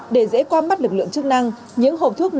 để dễ qua mắt lực lượng chức năng